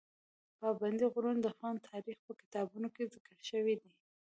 پابندي غرونه د افغان تاریخ په کتابونو کې ذکر شوي دي.